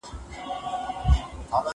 کېدای سي زه سبا درس ولولم!!